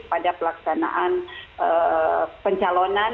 pada pelaksanaan pencalonan